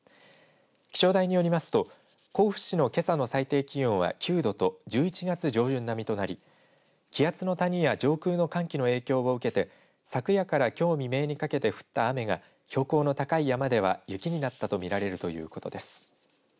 気象台によりますと甲府市のけさの最低気温は９度と１１月上旬並みとなり気圧の谷や上空の寒気の影響を受けて昨夜からきょう未明にかけて降った雨が標高の高い山では雪になったと見られるということです。